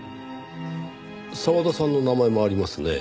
澤田さんの名前もありますねぇ。